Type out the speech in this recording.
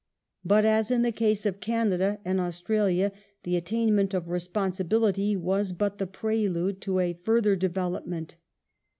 But, as in the case of Canada and Australia, the attainment of "responsibility" was but the prelude to a further development.